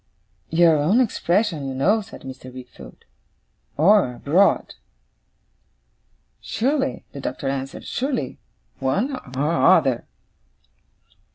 'Your own expression, you know,' said Mr. Wickfield. 'Or abroad.' 'Surely,' the Doctor answered. 'Surely. One or other.